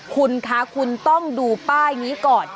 คุณคะคุณต้องดูป้ายนี้ก่อน